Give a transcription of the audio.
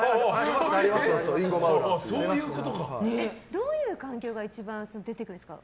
どういう環境が一番出てくるんですか？